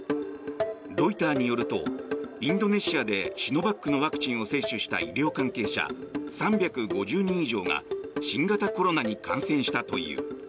ロイターによるとインドネシアでシノバックのワクチンを接種した医療関係者３５０人以上が新型コロナに感染したという。